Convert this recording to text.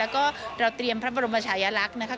ก็เราเตรียมพระบรมชายลักษณ์นะคะ